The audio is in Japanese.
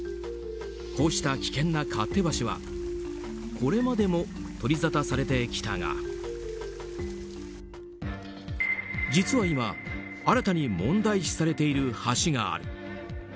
こうした危険な勝手橋はこれまでも取りざたされてきたが実は今、新たに問題視されている橋がある。